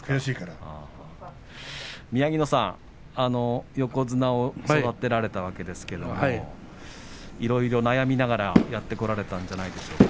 宮城野さんは横綱を育てられたわけですけどもいろいろ悩みながらやってこられたんじゃないでしょうか。